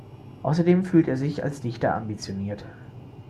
Außerdem fühlt er sich als Dichter ambitioniert.